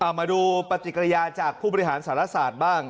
มาดูปฏิกิริยาจากผู้บริหารสารศาสตร์บ้าง